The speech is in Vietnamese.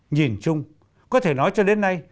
nhìn chung có thể nói cho đến nay